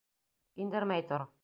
Индермәй тор!